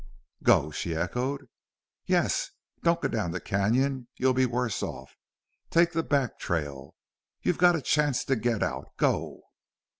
"Go?" she echoed. "Yes. Don't go down the canon. You'd be worse off.... Take the back trail. You've got a chance to get out.... Go!"